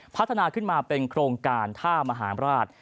พัฒนาขึ้นมาเป็นโครงการท่ามหาราช